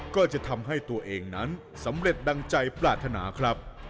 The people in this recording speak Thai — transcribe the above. ก็จะทำให้ตัวเองนั้นสำเร็จดังใจปรารถนาครับ